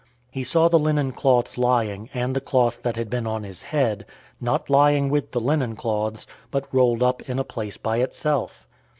He saw the linen cloths lying, 020:007 and the cloth that had been on his head, not lying with the linen cloths, but rolled up in a place by itself.